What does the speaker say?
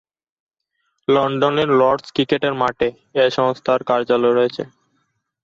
লন্ডনের Lord's cricket মাঠে এ সংস্থার কার্যালয় রয়েছে।